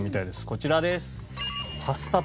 こちらです。